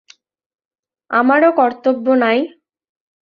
আমারও কর্তব্য নাই?